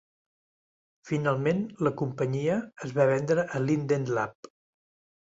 Finalment, la companyia es va vendre a Linden Lab.